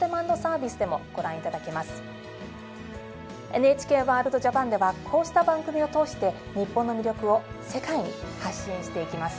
「ＮＨＫワールドＪＡＰＡＮ」ではこうした番組を通して日本の魅力を世界に発信していきます。